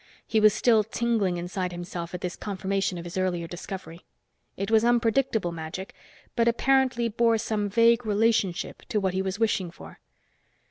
He was still tingling inside himself at this confirmation of his earlier discovery. It was unpredictable magic, but apparently bore some vague relationship to what he was wishing for.